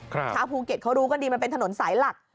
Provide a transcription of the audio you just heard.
ครับถ้าภูเก็ตเขารู้ก็ดีมันเป็นถนนสายหลัก